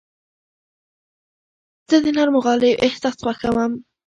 زه د نرمو غالیو احساس خوښوم.